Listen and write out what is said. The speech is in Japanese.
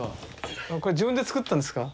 これ自分で作ったんですか？